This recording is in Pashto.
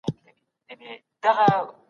په همدې موخه چي د استعمار څپې له کله.